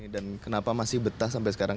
dan kenapa masih betah sampai sekarang